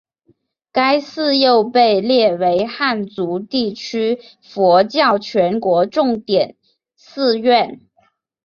该寺又被列为汉族地区佛教全国重点寺院。